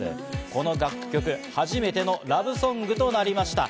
この楽曲、初めてのラブソングとなりました。